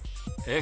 え！